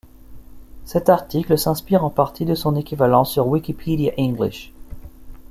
Cet article s'inspire en partie de son équivalent sur wp:en.